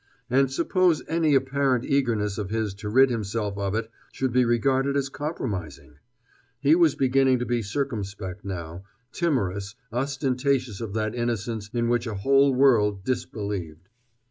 And suppose any apparent eagerness of his to rid himself of it should be regarded as compromising? He was beginning to be circumspect now, timorous, ostentatious of that innocence in which a whole world disbelieved.